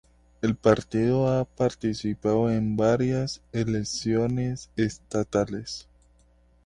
El partido ha participado en varias elecciones estatales.